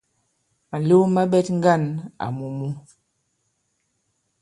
Màlew ma ɓɛt ŋgân àmù mǔ.